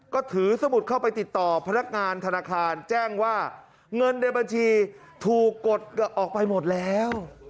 ก็ถือสมุดเข้าไปติดต่อพนักงานธนาคารแจ้งว่าเงินในบัญชีถูกกดออกไปหมดแล้ว